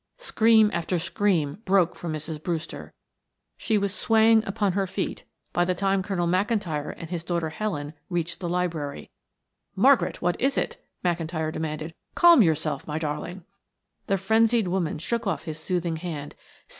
Scream after scream broke from Mrs. Brewster. She was swaying upon her feet by the time Colonel McIntyre and his daughter Helen reached the library. "Margaret! What is it?" McIntyre demanded. "Calm yourself, my darling." The frenzied woman shook off his soothing hand.